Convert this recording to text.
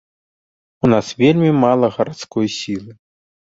У нас вельмі мала гарадской сілы.